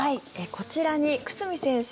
こちらに久住先生